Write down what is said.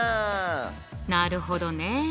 なるほどね。